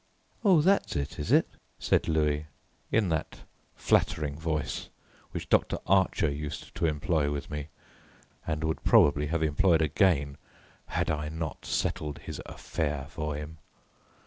"Oh, that's it, is it?" said Louis, in that flattering voice, which Doctor Archer used to employ with me, and would probably have employed again, had I not settled his affair for him.